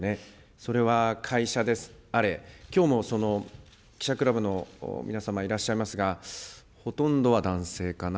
それは会社であれ、きょうも記者クラブの皆様、いらっしゃいますが、ほとんどは男性かな。